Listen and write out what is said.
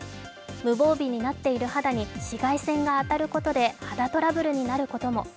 無防備になっている肌に紫外線が当たることで肌トラブルになることも。